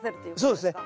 そうですね。